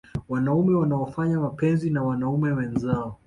Wanaume wanaofanya mapenzi na wanaume wenzao